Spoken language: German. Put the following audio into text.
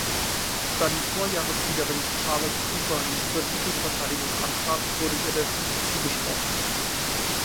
Da die Vorjahressiegerin Charlotte Cooper nicht zur Titelverteidigung antrat, wurde ihr der Titel zugesprochen.